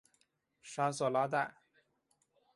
沙瑟拉代。